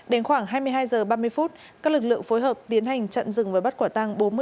đến khoảng hai mươi hai giờ ba mươi phút các lực lượng phối hợp tiến hành trận dừng và bắt quả tăng